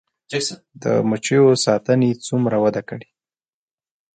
د مچیو ساتنه څومره وده کړې؟